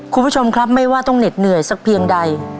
คุณผู้ชมครับไม่ว่าต้องเหน็ดเหนื่อยสักเพียงใด